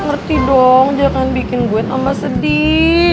ngerti dong jangan bikin gue tambah sedih